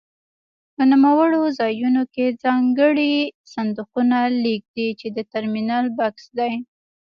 په نوموړو ځایونو کې ځانګړي صندوقونه لګېږي چې د ټرمینل بکس دی.